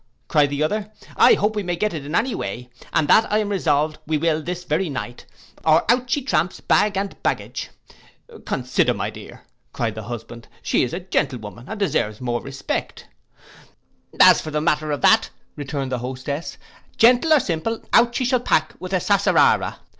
cried the other, 'I hope we may get it any way; and that I am resolved we will this very night, or out she tramps, bag and baggage.'—'Consider, my dear,' cried the husband, 'she is a gentlewoman, and deserves more respect.'—'As for the matter of that,' returned the hostess, 'gentle or simple, out she shall pack with a sassarara.